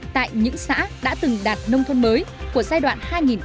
tại những xã đã từng đạt nông thôn mới của giai đoạn hai nghìn một mươi một hai nghìn một mươi năm